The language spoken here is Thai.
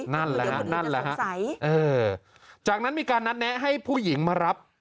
นั่นแหละฮะนั่นแหละฮะจากนั้นมีการนัดแนะให้ผู้หญิงมารับ